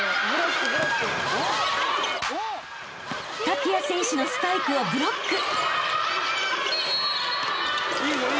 ［タピア選手のスパイクをブロック］